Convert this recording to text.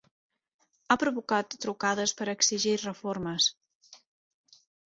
Ha provocat trucades per exigir reformes.